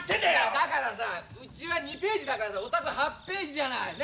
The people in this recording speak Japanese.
だからさうちは２ページだからさお宅８ページじゃない。ね？